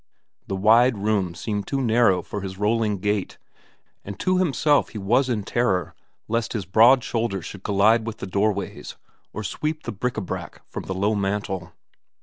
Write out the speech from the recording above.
The wide rooms seemed too narrow for his rolling gait, and to himself he was in terror lest his broad shoulders should collide with the doorways or sweep the bric a brac from the low mantel.